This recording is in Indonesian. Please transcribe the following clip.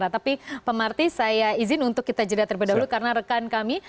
tapi pak marty saya izin untuk kita jeda terlebih dahulu karena rekan kami